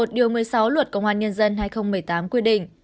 một mươi sáu luật công an nhân dân hai nghìn một mươi tám quy định